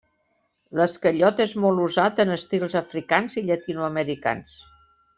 L'esquellot és molt usat en estils africans i llatinoamericans.